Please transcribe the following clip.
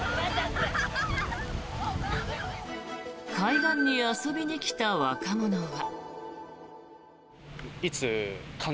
海岸に遊びに来た若者は。